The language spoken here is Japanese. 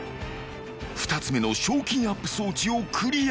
［２つ目の賞金アップ装置をクリア］